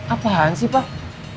apaan sih pak